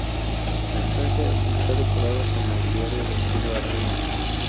La estancia está decorada con mobiliario de estilo árabe.